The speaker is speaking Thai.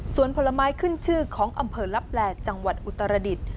ส่วนผลไม้ขึ้นชื่อของอำเภอลับแหลจังหวัดอุตรดิษฐ์